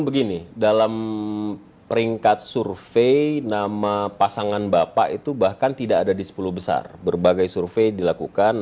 sekarang sepertinya yang pak anton mau yakin